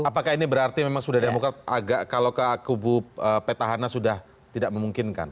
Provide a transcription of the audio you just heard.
apakah ini berarti memang sudah demokrat agak kalau ke kubu petahana sudah tidak memungkinkan